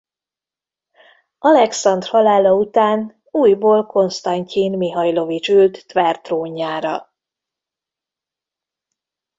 Alekszandr halála után újból Konsztantyin Mihajlovics ült Tver trónjára.